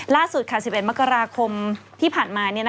ล่าสุด๑๑มกราคมที่ผ่านมา